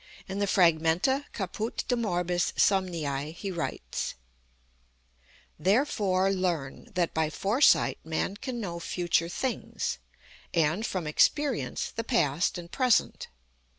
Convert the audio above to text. In the Fragmenta, Caput de Morbis Somnii he writes: "Therefore learn, that by Foresight man can know future things; and, from experience, the past and present.